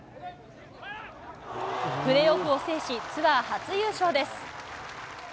プレーオフを制し、ツアー初優勝です。